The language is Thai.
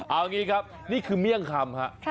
เอางี้ครับนี่คือเมี่ยงคำฮะ